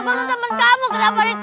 aku tuh temen kamu kenapa ditinggal